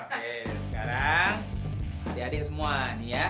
oke sekarang adik adik semua nih ya